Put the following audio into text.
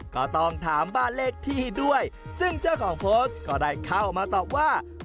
ก็ต้องถามบ้านเลขที่ด้วยซึ่งเจ้าของโพสต์ก็ได้เข้ามาตอบว่า